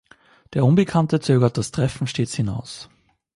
Der Unbekannte zögert das Treffen stets hinaus.